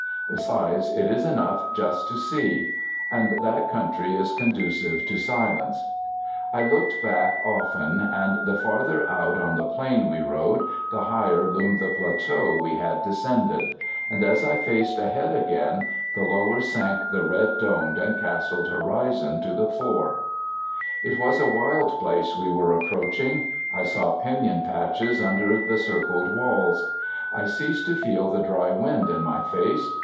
Besides, it is enough just to see; and that country is conducive to silence. I looked back often, and the farther out on the plain we rode the higher loomed the plateau we had descended; and as I faced ahead again, the lower sank the red domed and castled horizon to the fore. It was a wild place we were approaching. I saw piñon patches under the circled walls. I ceased to feel the dry wind in my face.